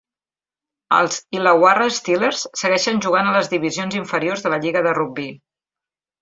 Els Illawarra Steelers segueixen jugant a les divisions inferiors de la lliga de rugbi.